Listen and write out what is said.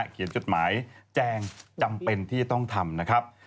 เขียนจดหมายแจงจำเป็นที่จะต้องทำนะครับ